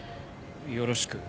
よろしく。